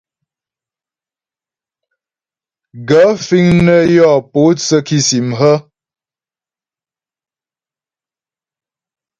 Gaə̂ fíŋ nə́ yɔ pótsə́ kìsìm hə̀ ?